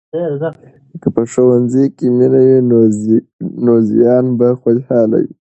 که په ښوونځي کې مینه وي، نو زویان به خوشحال وي.